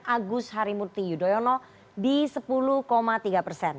agus harimurti yudhoyono di sepuluh tiga persen